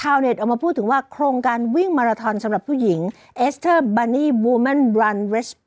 อย่างเขาเป็นการต่อชีวิตโครงโลน